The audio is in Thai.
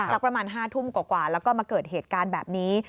สักประมาณ๕ทุ่มกว่าแล้วก็มาเกิดเหตุการณ์แบบนี้